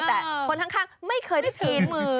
แต่คนข้างไม่เคยได้ผิด